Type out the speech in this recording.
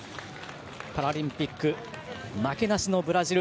パラリンピック負けなしのブラジル。